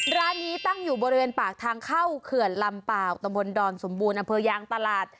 ร้านนี้ตั้งอยู่บริเวณปากทางเข้าเขื่อนลำเปล่าตะบนดอนสมบูรณ์อำเภอยางตลาด